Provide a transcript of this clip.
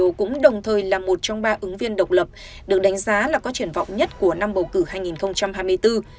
eu cũng đồng thời là một trong ba ứng viên độc lập được đánh giá là có triển vọng nhất của năm bầu cử hai nghìn hai mươi bốn